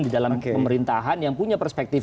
di dalam pemerintahan yang punya perspektif